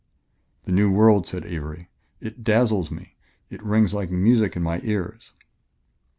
"The new world," said Avery. "It it dazzles me; it rings like music in my ears."